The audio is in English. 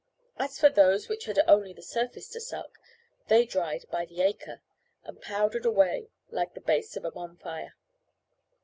As for those which had only the surface to suck, they dried by the acre, and powdered away like the base of a bonfire.